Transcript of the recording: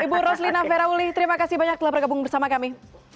ibu roslina ferauli terima kasih banyak telah bergabung bersama kami